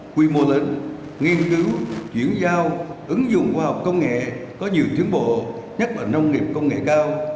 quy mô lớn nghiên cứu chuyển giao ứng dụng khoa học công nghệ có nhiều tiến bộ nhất là nông nghiệp công nghệ cao